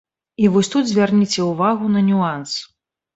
І вось тут звярніце ўвагу на нюанс.